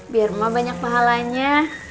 biar emang banyak pahalanya